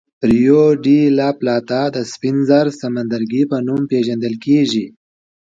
ریو ډي لا پلاتا د سپین زر سمندرګي په نوم پېژندل کېږي.